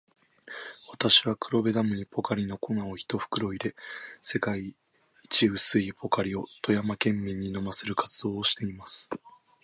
私は、黒部ダムにポカリの粉を一袋入れ、世界一薄いポカリを富山県民に飲ませる活動をしています。